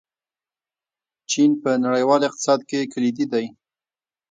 چین په نړیوال اقتصاد کې کلیدي دی.